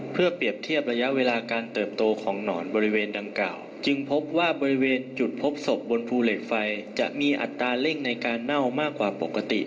เพื่อเปรียบเทียบระยะเวลาการเติบโตของหนอนบริเวณดังกล่าวจึงพบว่าบริเวณจุดพบศพบนภูเหล็กไฟจะมีอัตราเร่งในการเน่ามากกว่าปกติ